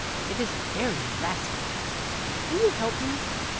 It is very irassible. Can you help me?